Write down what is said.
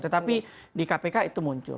tetapi di kpk itu muncul